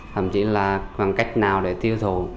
thậm chí là bằng cách nào để tiêu thụ